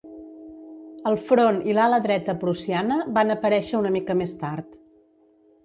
El front i l'ala dreta prussiana van aparèixer una mica més tard.